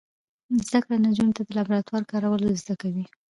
زده کړه نجونو ته د لابراتوار کارول ور زده کوي.